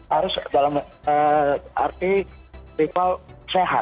harus dalam arti rival sehat